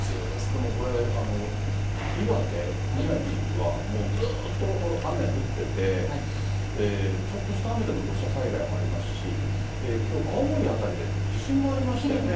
でもこれ、岩手、宮城はもうずっと雨降ってて、ちょっとした雨でも土砂災害もありますし、きょう青森辺りで地震もありましたよね。